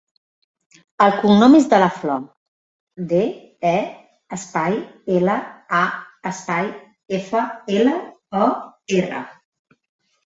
El cognom és De La Flor: de, e, espai, ela, a, espai, efa, ela, o, erra.